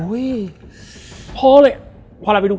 แล้วสักครั้งหนึ่งเขารู้สึกอึดอัดที่หน้าอก